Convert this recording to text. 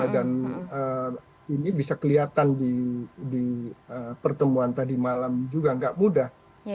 dan ini bisa kelihatan di pertemuan tadi malam juga nggak mudah